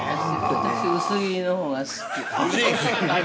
◆私、薄切りのほうが好き。